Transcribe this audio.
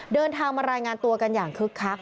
เดินทางมารายงานตัวกันอย่างคึกคัก